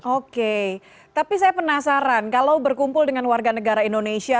oke tapi saya penasaran kalau berkumpul dengan warga negara indonesia